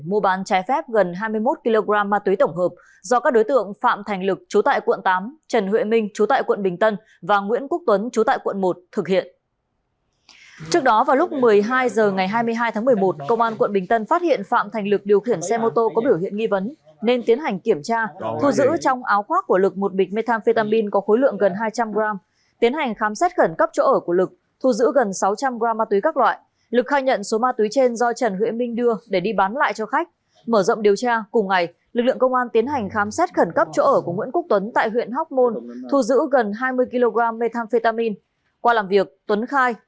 mua bán trái phép gần hai mươi một kg ma túy tổng hợp do các đối tượng phạm thành lực trú tại quận tám